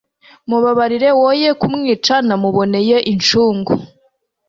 mubabarire woye kumwica, namuboneye incungu'